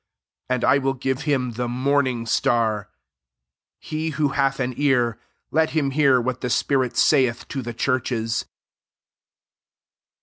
28 And I will give him the morning star.' 29 He who hath an ear, let him hear what the spirit saith to the churches.